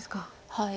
はい。